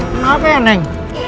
kenapa ya neng